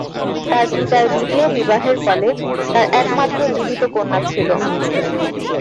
তার পিতার দ্বিতীয় বিবাহের ফলে তার একমাত্র জীবিত কন্যা ছিল।